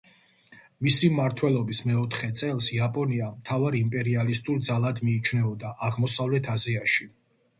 მისი მმართველობის მეოთხე წელს იაპონია მთავარ იმპერიალისტურ ძალად მიიჩნეოდა აღმოსავლეთ აზიაში.